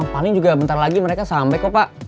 paling juga bentar lagi mereka sampai kok pak